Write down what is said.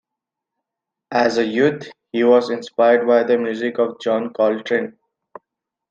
As a youth he was inspired by the music of John Coltrane.